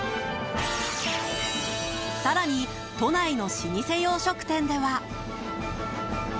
更に、都内の老舗洋食店では。